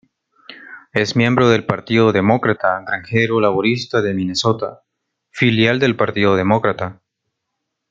Es miembro del Partido Demócrata-Granjero-Laborista de Minnesota, filial del Partido Demócrata.